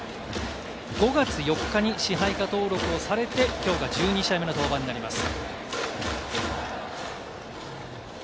５月４日に支配下登録をされて、きょうが１２試合目の登板になります。